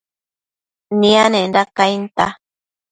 nianenda cainta